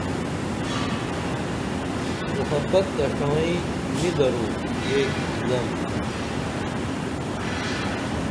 محبتہ ݜائیں نی درو یہ الزم